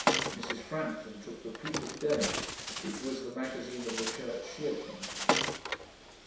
(Mrs. Frampton took the Peep of Day, which was the magazine of the church she attended.)